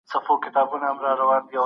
ځینې فشارونه د پرمختګ لامل کېږي.